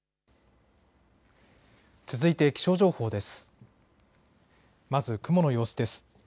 続いて気象情報です。